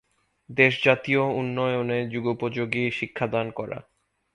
দেশ জাতীয় উন্নয়নে যুগোপযোগী শিক্ষা দান করা।